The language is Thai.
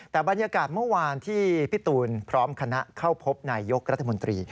แต่บรรยากาศเมื่อวานที่พี่ตูนพร้อมคณะเข้าพบนายยกรัฐมนตรี